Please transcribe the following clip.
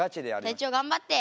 隊長頑張って。